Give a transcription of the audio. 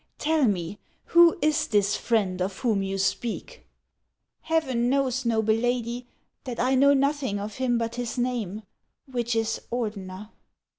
Tell me, who is this friend of whom you speak ?"" Heaven knows, noble lady, that I know nothing of him but his name, which is Ordener."